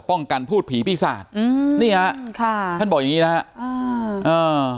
ป้องกันพูดผีพี่พี่ศาสตร์นี่หาท่านบอกอย่างนี้นะฮะ